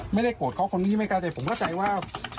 ไม่ได้โกรธเขาคนนี้ไม่กล้าใจผมเข้าใจว่า